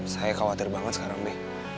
saya khawatir banget sekarang deh